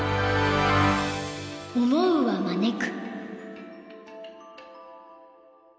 「思うは招く」。